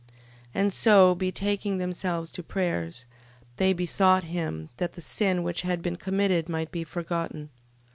12:42. And so betaking themselves to prayers, they besought him, that the sin which had been committed might be forgotten.